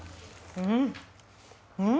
うん！